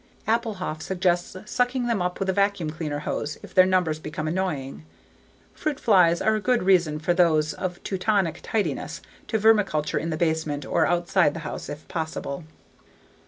Appelhof suggests sucking them up with a vacuum cleaner hose if their numbers become annoying. Fruit flies are a good reason for those of Teutonic tidiness to vermicompost in the basement or outside the house if possible.